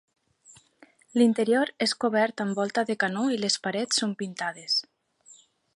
L'interior és cobert amb volta de canó i les parets són pintades.